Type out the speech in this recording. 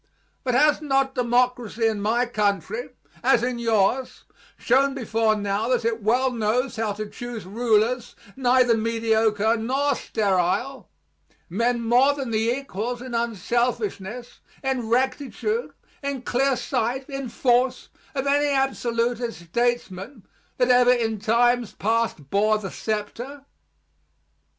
But has not democracy in my country, as in yours, shown before now that it well knows how to choose rulers neither mediocre nor sterile; men more than the equals in unselfishness, in rectitude, in clear sight, in force, of any absolutist statesman, that ever in times past bore the scepter?